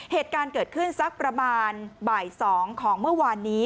เหตุการณ์เกิดขึ้นสักประมาณบ่าย๒ของเมื่อวานนี้